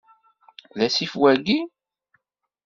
D asif wayyi?